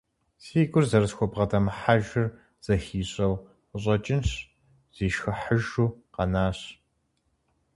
Си гур зэрысхубгъэдэмыхьэжыр зэхищӏэу къыщӏэкӏынщ, зишхыхьыжу къэнащ.